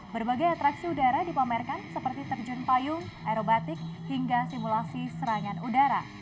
berbagai atraksi udara dipamerkan seperti terjun payung aerobatik hingga simulasi serangan udara